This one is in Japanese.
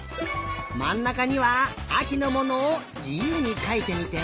まんなかにはあきのものをじゆうにかいてみて！